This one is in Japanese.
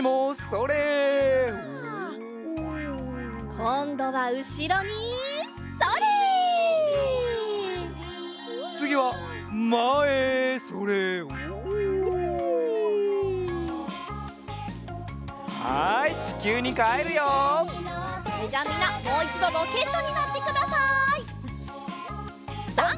それじゃみんなもういちどロケットになってください。